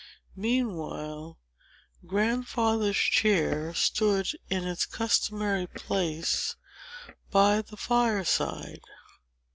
Meanwhile, Grandfather's chair stood in its customary place by the fireside.